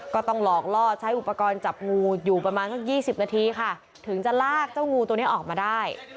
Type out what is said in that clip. ก็ต้องหลอกล่อใช้อุปกรณ์จับงูอยู่ประมาณสัก๒๐นาทีค่ะถึงจะลากเจ้างูตัวนี้ออกมาได้